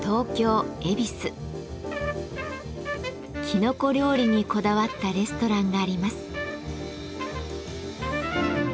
きのこ料理にこだわったレストランがあります。